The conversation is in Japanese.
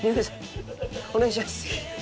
お願いします。